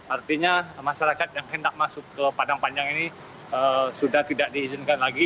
artinya masyarakat yang hendak masuk ke padang panjang ini sudah tidak diizinkan lagi